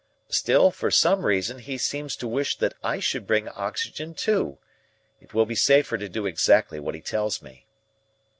"Still, for some reason he seems to wish that I should bring oxygen too. It will be safer to do exactly what he tells me."